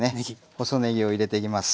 細ねぎを入れていきます。